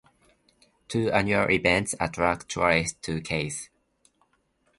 Two annual events attract tourists to Keith.